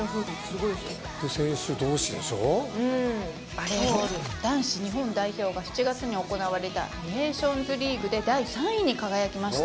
バレーボール男子日本代表が７月に行われたネーションズリーグで第３位に輝きました。